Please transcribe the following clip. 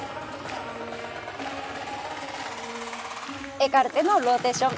エカルテのローテーション。